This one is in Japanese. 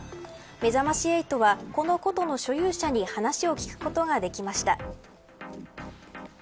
めざまし８は、この琴の所有者に話を聞くことができました。